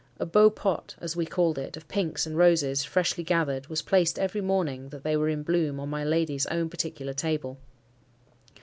A beau pot (as we called it) of pinks and roses freshly gathered was placed every morning that they were in bloom on my lady's own particular table.